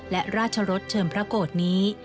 และราชรสเชิมพระโกรธนี้